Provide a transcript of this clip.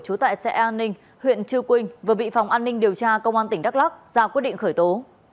trú tại xe an ninh huyện chư quynh vừa bị phòng an ninh điều tra công an tp huế ra quyết định khởi tố